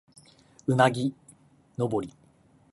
うなぎ